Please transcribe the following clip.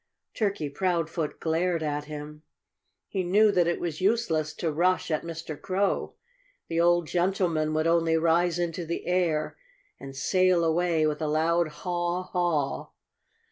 Turkey Proudfoot glared at him. He knew that it was useless to rush at Mr. Crow. The old gentleman would only rise into the air and sail away with a loud haw haw.